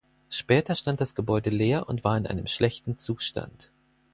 Später stand das Gebäude leer und war in einem schlechten Zustand.